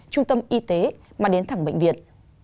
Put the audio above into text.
trung tâm y tế mà đến thẳng bệnh viện